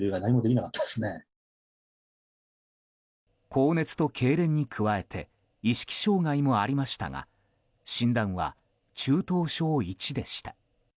高熱とけいれんに加えて意識障害もありましたが診断は中等症１でした。